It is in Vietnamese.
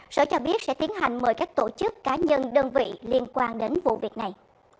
sở cho biết sẽ tiến hành mời các tổ chức cá nhân đơn vị liên quan đến vụ việc này